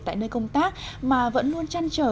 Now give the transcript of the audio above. tại nơi công tác mà vẫn luôn chăn trở